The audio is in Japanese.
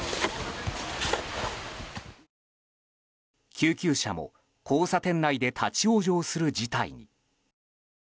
救急車も交差点内で立ち往生する事態に。